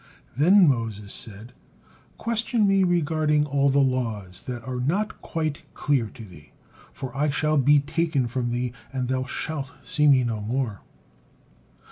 Then Moses said: "Question me regarding all the laws that are not quite clear to thee, for I shall be taken from thee, and thou shalt see me no more."